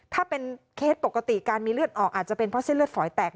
ถ้าเป็นเคสปกติการมีเลือดออกอาจจะเป็นเพราะเส้นเลือดฝอยแตก